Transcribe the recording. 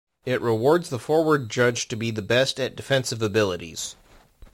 It rewards the forward judged to be the best at defensive abilities.